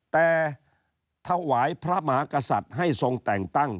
แต่ถวายพระมหากษัตริย์ให้ทรงแต่งตั้ง